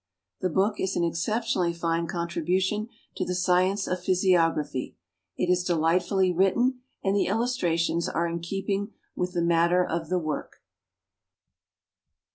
The book is an exceptionally fine contribution to the science of physiography. It is delightfully written and the illustrations are in keeping with the matter of the work.